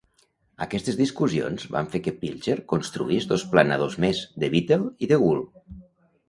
Aquestes discussions van fer que Pilcher construís dos planadors més, "The Beetle" i "The Gull".